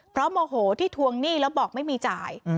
เพราะโมโหที่ทวงหนี้แล้วบอกไม่มีจ่าย